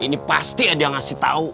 ini pasti ada yang ngasih tahu